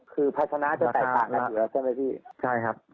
คือพัฒนาจะแตกตัวอยู่แล้วใช่ไหมพี่